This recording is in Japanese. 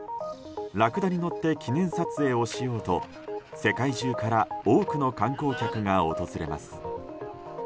ラクダに乗って記念撮影をしようと世界中から多くの観光客が訪れます。